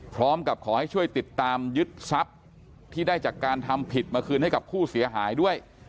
พร้อมกับขอให้ช่วยติดตามยึดทรัพย์ที่ได้จากการทำผิดมาคืนให้กับผู้เสียหายด้วย